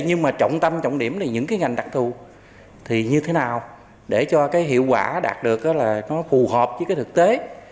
nhưng mà trọng tâm trọng điểm là những cái ngành đặc thù thì như thế nào để cho cái hiệu quả đạt được là nó phù hợp với cái thực tế